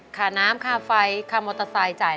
ค่าน้ำค่าไฟค่ามอเตอร์ไซค์จ่าย